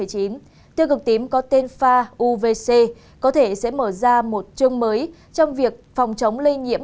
tiêu cực tím có tên fa uvc có thể sẽ mở ra một chương mới trong việc phòng chống lây nhiễm